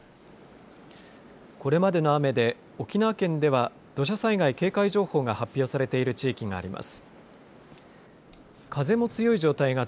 これまでの雨で沖縄県では土砂災害警戒情報が発表されている地域があります。